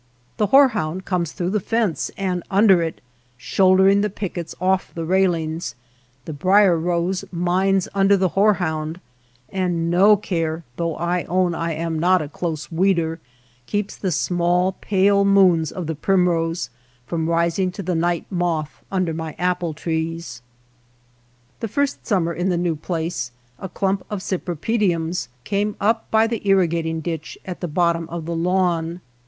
The horehound comes through the fence and under it, shouldering the pickets off the railings ; the brier rose mines under the horehound ; and no care, though I own I am not a close weeder, keeps the small pale moons of the primrose from rising to the night moth under my apple trees. The first summer in the new place, a^ clump of cypripediums came up by the irrigating ditch at the bottom of the lawn.